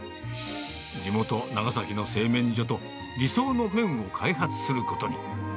地元、長崎の製麺所と、理想の麺を開発することに。